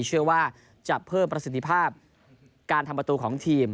เชื่อว่าจะเพิ่มประสิทธิภาพการทำประตูของทีม